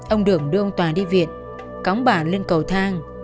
ông đường đưa ông tòa đi viện cắm bạn lên cầu thang